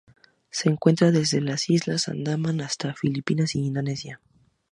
Se encuentra desde las Islas Andamán hasta las Filipinas y Indonesia.